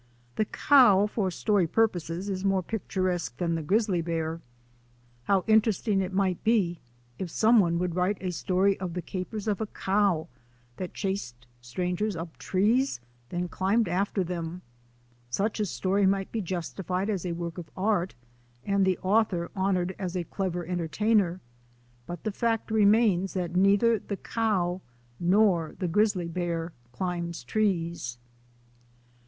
The cow for story purposes is more picturesque than the grizzly bear. How interesting it might be if someone would write a story of the capers of a cow that chased strangers up trees then climbed after them! Such a story might be justified as a work of art and the author honoured as a clever entertainer, but the fact remains that neither the cow nor the grizzly bear climbs trees.